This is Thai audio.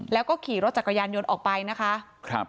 แล้วก็ขี่รถจักรยานยนต์ออกไปนะคะครับ